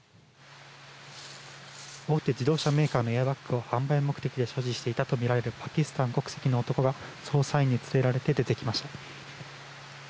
大手自動車メーカーのエアバッグを販売目的で所持していたとみられるパキスタン国籍の男が捜査員に連れられて出てきました。